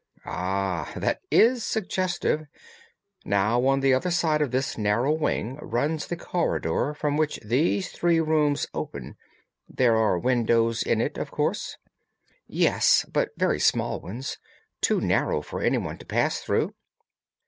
"Ah! that is suggestive. Now, on the other side of this narrow wing runs the corridor from which these three rooms open. There are windows in it, of course?" "Yes, but very small ones. Too narrow for anyone to pass through."